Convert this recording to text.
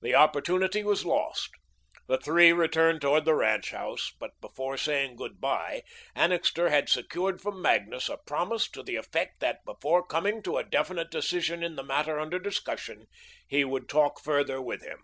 The opportunity was lost. The three returned toward the ranch house; but before saying good bye, Annixter had secured from Magnus a promise to the effect that, before coming to a definite decision in the matter under discussion, he would talk further with him.